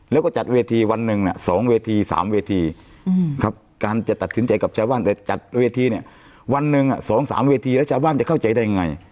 แล้วก็จัดเวทีวันหนึ่ง๒เวที๓เวทีครับการจะตัดสินใจกับชาวบ้านแต่จัดเวทีเนี่ยวันหนึ่ง๒๓เวทีแล้วชาวบ้านจะเข้าใจได้ไง